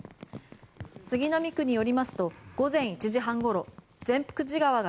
杉並区によりますと午前１時半ごろ善福寺川が